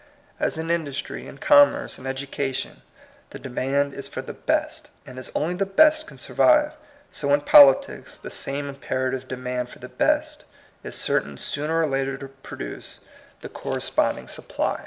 As in industry, in commerce,* in education, the demand is for the best ; and as only the best can sur vive, so in politics, the same imperative demand for the best is certain sooner or later to produce the corresponding supply.